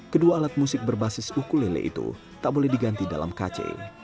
kedua alat musik berbasis ukulele itu tak boleh diganti dalam kc